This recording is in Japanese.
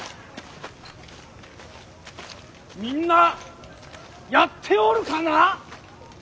みんなやっておるかな。